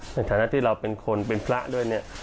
ในฐานะที่เราเป็นคนเป็นพระด้วยเนี่ย